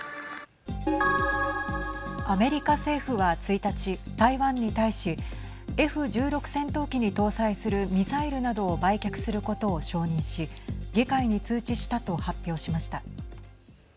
アメリカ政府は１日台湾に対しＦ１６戦闘機に搭載するミサイルなどを売却することを承認し議会に通知したと発表しました。